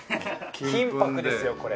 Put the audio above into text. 金箔ですよこれ。